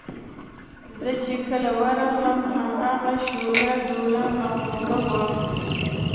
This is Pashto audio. زه چې کله ورغلم هماغه شوله ډوله مغلوبه وه.